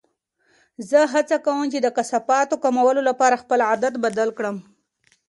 زه هڅه کوم چې د کثافاتو کمولو لپاره خپل عادت بدل کړم.